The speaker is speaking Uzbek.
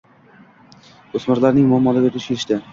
Oʻsmirlarning muammolariga duch kelishdi